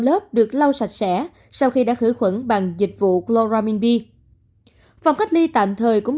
lớp được lau sạch sẽ sau khi đã khử khuẩn bằng dịch vụ chloramin b phòng cách ly tạm thời cũng